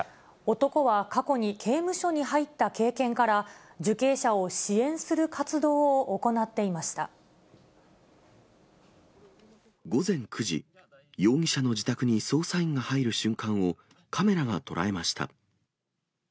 男は過去に刑務所に入った経験から、受刑者を支援する活動を午前９時、容疑者の自宅に捜査員が入る瞬間を、カメラが捉えました。